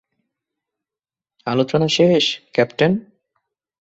আলোচনা শেষ, ক্যাপ্টেন।